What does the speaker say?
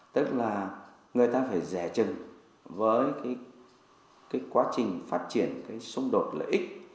tức là người ta phải rẻ chừng với cái quá trình phát triển cái xung đột lợi ích